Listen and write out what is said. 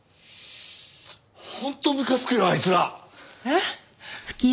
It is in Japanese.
本当むかつくよあいつら！えっ？